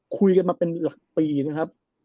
คุยกันมาเป็นหลักปีนะครับ